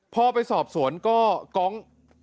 พอไปสอบสวนก็กอง